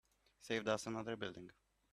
Saved us another building.